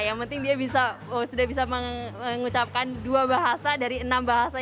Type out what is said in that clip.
yang penting dia bisa sudah bisa mengucapkan dua bahasa dari enam bahasa